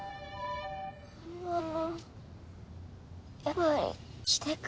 ママ。